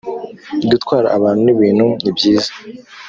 gutwara abantu n ibintu nibyiza